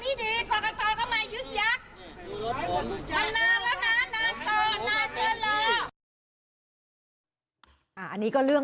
มันก็จะผ่านไปในทางที่ดีกรกตก็มายึกยักษ์